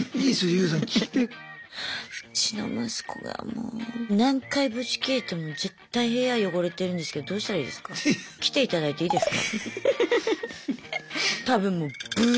うちの息子がもう何回ぶち切れても絶対部屋汚れてるんですけどどうしたらいいですか？